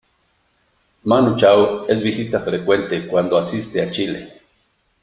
Manu Chao es visita frecuente cuando asiste a Chile.